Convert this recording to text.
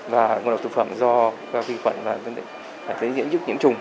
và ngộ độc thực phẩm do vi quẩn và dễ diễn dứt nhiễm trùng